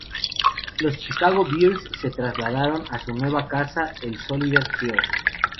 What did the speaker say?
Los Chicago Bears se trasladaron a su nueva casa, el Soldier Field.